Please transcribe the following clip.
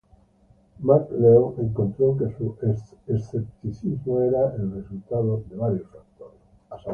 MacLeod encontró que su escepticismo era el resultado de varios factores.